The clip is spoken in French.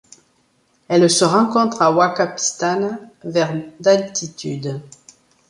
Elle se rencontre à Huacapistana vers d'altitude.